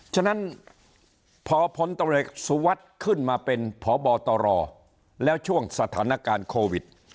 ฉะนั้นพพสวัสดิ์ขึ้นมาเป็นพบตรแล้วช่วงสถานการณ์โควิด